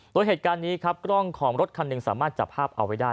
โดยเหตุการณ์นี้ครับกล้องของรถคันหนึ่งสามารถจับภาพเอาไว้ได้